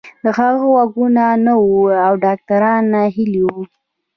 د هغه غوږونه نه وو او ډاکتران ناهيلي وو.